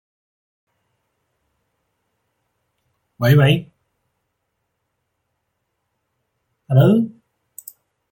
亦设观众打电话提问环节。